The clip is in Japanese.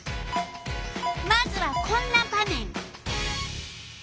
まずはこんな場面！